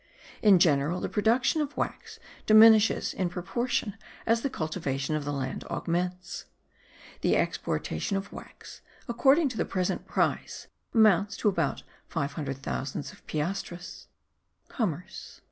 In general the production of wax diminishes in proportion as the cultivation of the land augments. The exportation of wax, according to the present price, amounts to about 500,000 of piastres. COMMERCE.